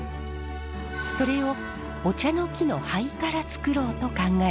それをお茶の木の灰から作ろうと考えたのです。